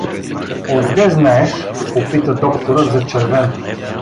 — Отде знаеш? — попита докторът зачервен.